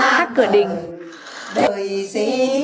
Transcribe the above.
hát cửa đình